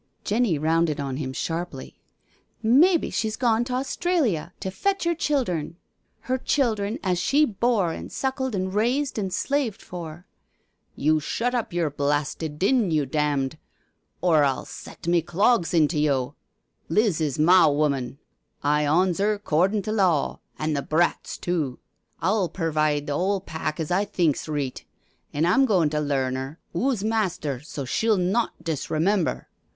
Jenny rounded on him sharply. " Maybe she's gone t' Australia to fetch 'er child hern. Her childhern as she bore an' suckled an' raised an' slaved for "" You shut up yer blasted din, you damned ... or rU set me clogs into yo'. Liz is ma wummon, I awns 'er 'cordin' to law, an' the brats too. I'll pervide for the 'ole pack as I thinks reet— and I'm goin' to learn 'er who's master so she'll not disremember."